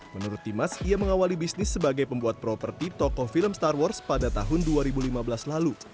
menurut dimas ia mengawali bisnis sebagai pembuat properti toko film star wars pada tahun dua ribu lima belas lalu